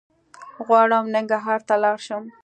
غواړم ننګرهار ته لاړ شم